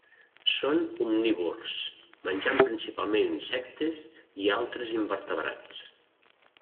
Són omnívors, menjant principalment insectes i altres invertebrats.